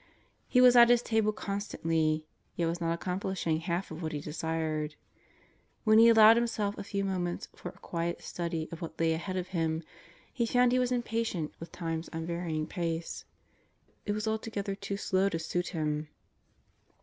He was at his table constantly, yet was not accom plishing half of what he desired. When he allowed himself a few moments for a quiet study of what lay ahead of him, he found he was impatient with Time's unvarying pace. It was altogether too slow to suit him.